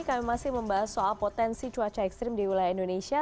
kami masih membahas soal potensi cuaca ekstrim di wilayah indonesia